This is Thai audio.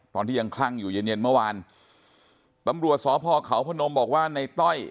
ตอนที่ยังคลั่งอยู่เย็นเย็นเมื่อวานตำรวจสพเขาพนมบอกว่าในต้อย